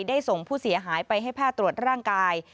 ส่งผู้เสียหายไปให้แพทย์ตรวจร่างกาย